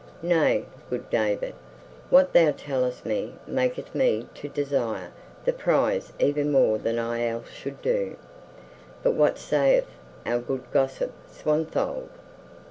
Nay, good David, what thou tellest me maketh me to desire the prize even more than I else should do. But what sayeth our good gossip Swanthold?